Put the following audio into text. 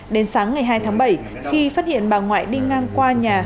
đến sáng ngày hai tháng bảy khi phát hiện bà ngoại đi ngang qua nhà